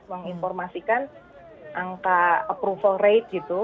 menginformasikan angka approval rate gitu